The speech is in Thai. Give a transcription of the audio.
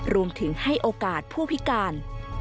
รวมถึงให้โอกาสผู้พิการ